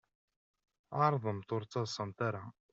Ɛeṛḍemt ur d-ttaḍṣamt ara.